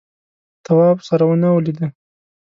تواب سره ونه ولیده.